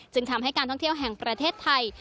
ทำให้การท่องเที่ยวแห่งประเทศไทย